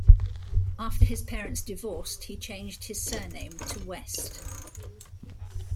After his parents divorced, he changed his surname to West.